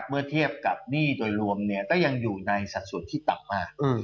เมื่อเทียบกับหนี้โดยรวมเนี่ยก็ยังอยู่ในสัดส่วนที่ต่ำมาก